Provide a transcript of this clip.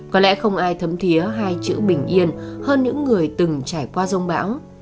có lẽ không ai thấm thiế hai chữ bình yên hơn những người từng trải qua dông bão